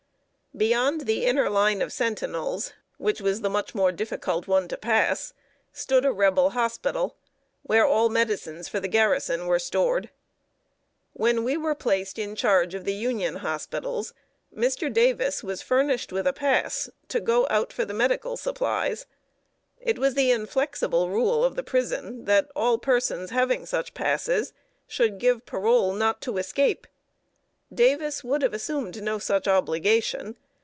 Beyond the inner line of sentinels, which was much the more difficult one to pass, stood a Rebel hospital, where all medicines for the garrison were stored. When we were placed in charge of the Union hospitals, Mr. Davis was furnished with a pass to go out for medical supplies. It was the inflexible rule of the prison that all persons having such passes should give paroles not to escape. Davis would have assumed no such obligation.